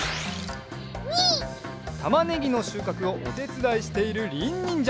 たまねぎのしゅうかくをおてつだいしているりんにんじゃ。